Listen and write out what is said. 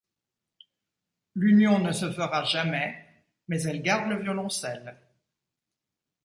L'union ne se fera jamais, mais elle garde le violoncelle.